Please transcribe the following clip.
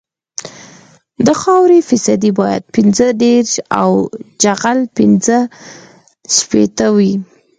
د خاورې فیصدي باید پنځه دېرش او جغل پینځه شپیته وي